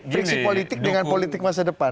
friksi politik dengan politik masa depan